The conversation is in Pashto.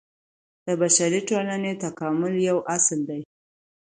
د بشري ټولني تکامل يو اصل دی.